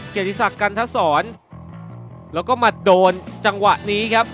เกียรติศักดิ์กันทศรแล้วก็มาโดนจังหวะนี้ครับ